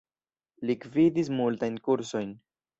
Li gvidis multajn kursojn.